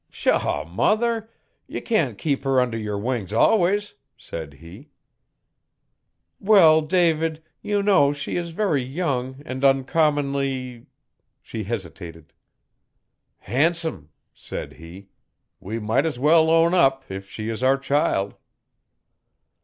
'Pshaw, mother! Ye can't keep her under yer wing alwus,' said he. 'Well, David, you know she is very young and uncommonly ' she hesitated. 'Han'some,' said he, 'we might as well own up if she is our child.'